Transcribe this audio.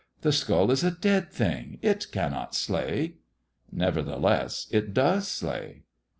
The skull is a dead thing. It cannot slay." " Nevertheless it does slay."